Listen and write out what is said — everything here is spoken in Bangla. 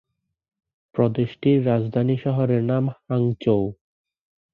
প্রদেশটির রাজধানী শহরের নাম হাংচৌ।